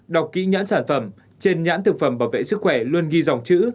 đọc kỹ nhãn sản phẩm trên nhãn thực phẩm bảo vệ sức khỏe luôn ghi dòng chữ